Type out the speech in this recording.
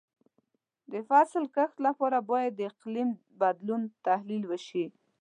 د فصل کښت لپاره باید د اقلیم د بدلون تحلیل وشي.